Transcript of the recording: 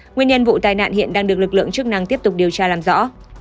nguyên nhân vụ tai nạn hiện đang được lực lượng chức năng tiếp tục điều tra làm rõ